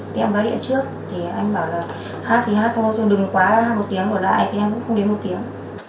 thì em đã điện trước thì anh bảo là hát thì hát thôi chứ đừng quá hát một tiếng ở lại thì em cũng không đến một tiếng